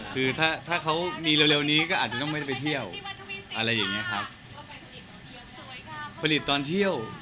คือถ้าเขามีเร็วนี้ก็อาจจะจะไม่ที่ไปเที่ยว